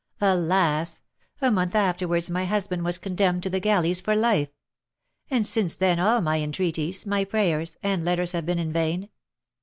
Alas! a month afterwards my husband was condemned to the galleys for life; and since then all my entreaties, my prayers, and letters have been in vain.